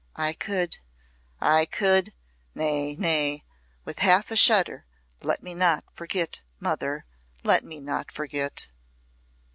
I could I could nay! nay!" with half a shudder. "Let me not forget, mother; let me not forget."